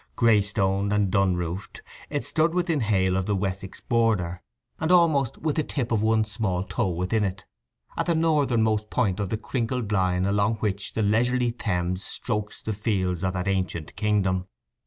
Grey stoned and dun roofed, it stood within hail of the Wessex border, and almost with the tip of one small toe within it, at the northernmost point of the crinkled line along which the leisurely Thames strokes the fields of that ancient kingdom.